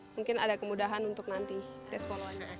mungkin ada kemudahan untuk nanti tes polonya